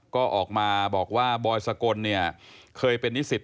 ก็ออกมาบอกว่าบอยสกลเนี่ยเคยเป็นนิสิต